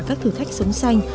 các thử thách sống xanh